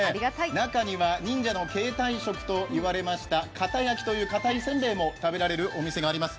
中には忍者の携帯食と言われましたかたやきというかたい煎餅が食べられるお店もあります。